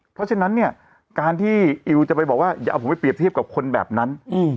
เพราะฉะนั้นเนี่ยการที่อิวจะไปบอกว่าอย่าเอาผมไปเรียบเทียบกับคนแบบนั้น